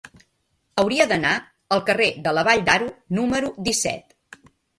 Hauria d'anar al carrer de la Vall d'Aro número disset.